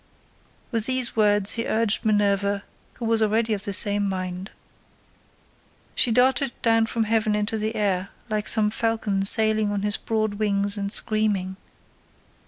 With these words he urged Minerva, who was already of the same mind. She darted down from heaven into the air like some falcon sailing on his broad wings and screaming.